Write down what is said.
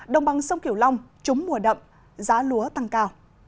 đồng bằng sông kiểu long trúng mùa đậm giá lúa tăng cao